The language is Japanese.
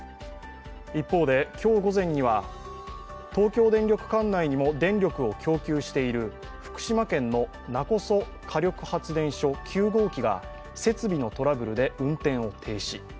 一方で、今日午前には東京電力管内にも電力を供給している福島県の勿来火力発電所９号機が設備のトラブルで運転を停止。